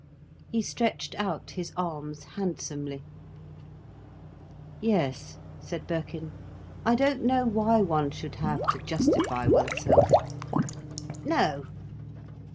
He stretched out his arms handsomely. "Yes," said Birkin. "I don't know why one should have to justify oneself." "No."